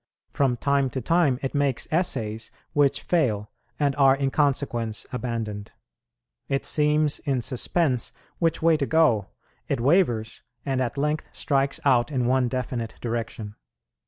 From time to time it makes essays which fail, and are in consequence abandoned. It seems in suspense which way to go; it wavers, and at length strikes out in one definite direction.